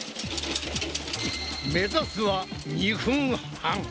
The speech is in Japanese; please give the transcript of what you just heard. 目指すは２分半！